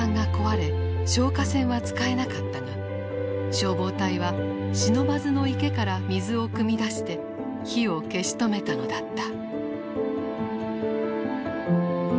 消火栓は使えなかったが消防隊は不忍池から水をくみ出して火を消し止めたのだった。